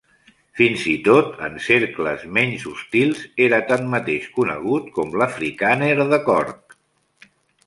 Fins i tot en cercles menys hostils, era tanmateix conegut com "l'afrikàner de Cork".